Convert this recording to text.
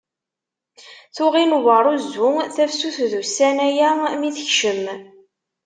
Tuɣ inewweṛ uzzu, tafsut d ussan-aya mi tekcem.